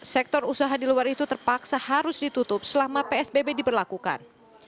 sektor usaha di luar itu terpaksa harus ditutup selama psbb diberlakukan